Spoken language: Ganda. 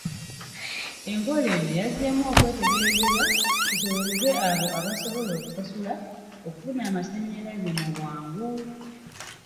Enkola eno yazzeemu okwetegerezebwa kisobozese abo abasobola okusasula okufuna amasannyalaze mu bwangu.